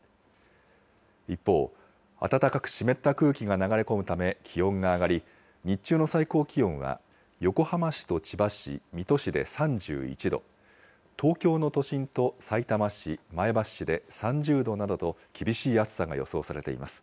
一方、暖かく湿った空気が流れ込むため、気温が上がり、日中の最高気温は横浜市と千葉市、水戸市で３１度、東京の都心とさいたま市、前橋市で３０度などと、厳しい暑さが予想されています。